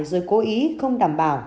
rồi cố ý không đảm bảo